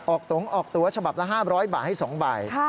ตรงออกตัวฉบับละ๕๐๐บาทให้๒ใบ